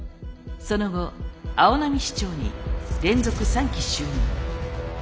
その後青波市長に連続３期就任。